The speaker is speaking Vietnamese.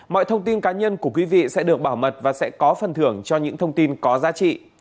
mọi thông tin cá nhân của quý vị sẽ được bảo mật và sẽ có phần thưởng cho những thông tin có giá trị